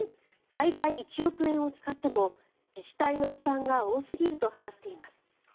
最大１億円を使っても自治体の負担が多すぎると話しています。